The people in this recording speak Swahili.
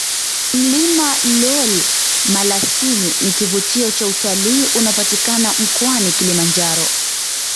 mlima lool malasin ni kivutio cha utalii unapatikana mkoani Kilimanjaro